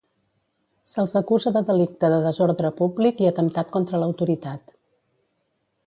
Se'ls acusa de delicte de desordre públic i atemptat contra l'autoritat.